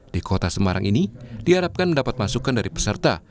di kota semarang ini diharapkan mendapat masukan dari peserta